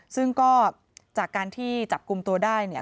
ซึ่งก็จากการที่จับกลุ่มตัวได้เนี่ย